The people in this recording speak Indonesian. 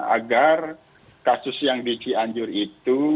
agar kasus yang di c anjur itu